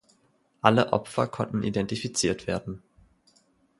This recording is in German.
Alle Opfer konnten identifiziert werden.